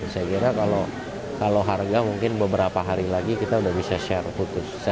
saya kira kalau harga mungkin beberapa hari lagi kita sudah bisa share putus